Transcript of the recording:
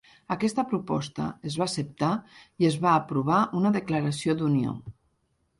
Aquesta proposta es va acceptar i es va aprovar una declaració d'unió.